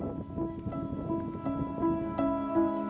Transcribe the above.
memikul beban sulit yang harus dilakukan